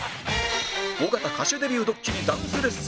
尾形歌手デビュードッキリダンスレッスン